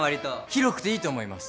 広くていいと思います。